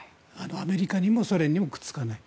アメリカにもソ連にもくっつかない。